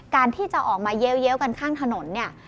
การที่จะออกมาเยี้ยวกันข้างถนนเนี่ย